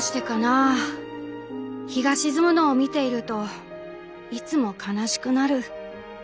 あ日が沈むのを見ているといつも悲しくなる」。